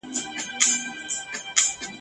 کبابیږي به زړګی د دښمنانو !.